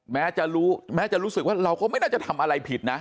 แม้จะรู้สึกว่าเราก็ไม่น่าจะทำอะไรผิดนะ